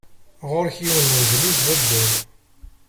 Ɣur-k yiwen n udlis d adal.